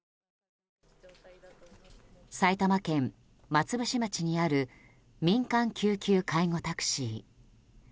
埼玉県松伏町にある民間救急介護タクシー。